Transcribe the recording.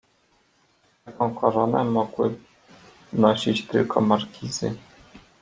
"Taką koronę mogły nosić tylko markizy."